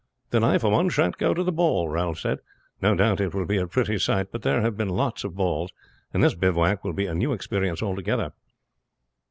"Then I for one shan't go to the ball," Ralph said. "No doubt it will be a pretty sight; but there have been lots of balls, and this bivouac will be a new experience altogether."